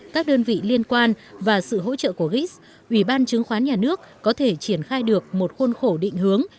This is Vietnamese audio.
các đơn vị liên quan và sự hỗ trợ của gis ủy ban chứng khoán nhà nước có thể triển khai được một khuôn khổ định hướng